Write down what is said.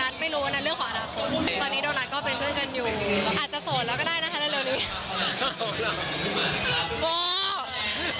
ตอนนี้โดนัสก็เป็นเพื่อนกันอยู่อาจจะโสดแล้วก็ได้นะครับเร็ว